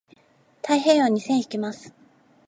太平洋に線引きます。